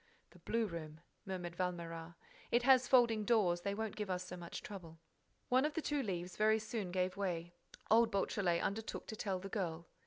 "The blue room," murmured Valméras. "It has folding doors: they won't give us so much trouble." One of the two leaves very soon gave way. Old Beautrelet undertook to tell the girl.